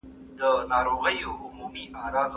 هغه د سیاستپوهنې علمي توب په کلکه رد کړ.